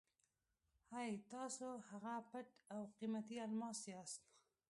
اې! تاسو هغه پټ او قیمتي الماس یاست.